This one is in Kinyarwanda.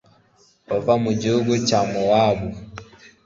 bava mu gihugu cya mowabu